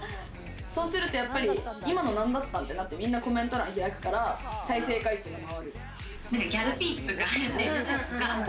そうすると、やっぱり今のなんだったん？ってなってみんなコメント欄、開くから再生回数が回る。